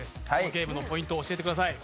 ゲームのポイントを教えてください。